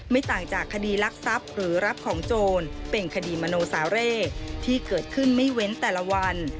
ต่างจากคดีรักทรัพย์หรือรับของโจรเป็นคดีมโนสาเร่ที่เกิดขึ้นไม่เว้นแต่ละวัน